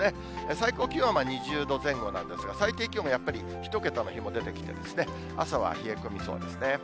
最高気温は２０度前後なんですが、最低気温がやっぱり１桁の日も出てきて、朝は冷え込みそうですね。